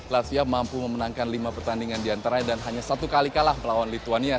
latsia mampu memenangkan lima pertandingan di antaranya dan hanya satu kali kalah melawan lituania